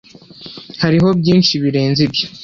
hariho byinshi birenze ibyo